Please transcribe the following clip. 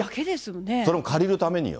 それも借りるためによ。